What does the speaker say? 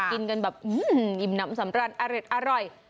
กินกันแบบอื้มอิ่มน้ำสำรรรค์อร็ดอร่อย